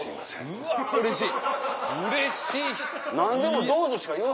うわうれしい！